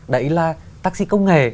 đấy là taxi công nghề